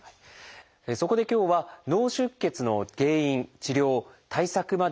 そこで今日は脳出血の原因治療対策まで詳しくお伝えします。